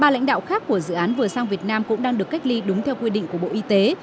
ba lãnh đạo khác của dự án vừa sang việt nam cũng đang được cách ly đúng theo quy định của bộ y tế